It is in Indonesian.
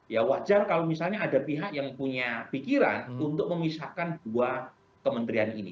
ya wajar kalau misalnya ada pihak yang punya pikiran untuk memisahkan dua kementerian ini